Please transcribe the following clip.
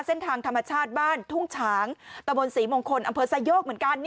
เส้นทางธรรมชาติบ้านทุ่งฉางตะบนศรีมงคลอำเภอไซโยกเหมือนกัน